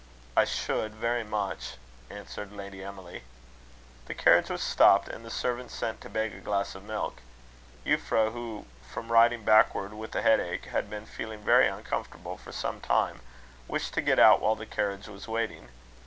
"I should very much," answered Lady Emily. The carriage was stopped, and the servant sent to beg a glass of milk. Euphra, who, from riding backward with a headache, had been feeling very uncomfortable for some time, wished to get out while the carriage was waiting.